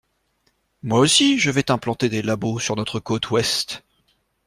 Moi aussi, je vais t’implanter des labos sur notre côte ouest.